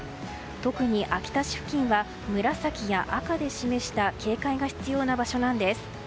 特に秋田市付近は紫や赤で示した警戒が必要な場所なんです。